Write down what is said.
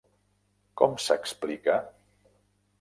-Com s'explica?…